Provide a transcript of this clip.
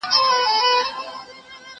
زه مخکي مېوې خوړلې وه،